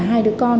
hai đứa con